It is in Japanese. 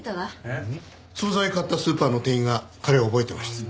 えっ？総菜を買ったスーパーの店員が彼を覚えてました。